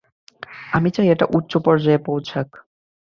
আমি চাই, এটা উচ্চ পর্যায়ে পৌঁছাক।